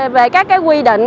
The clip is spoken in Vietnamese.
về các quy định